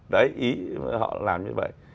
đấy ý họ làm như vậy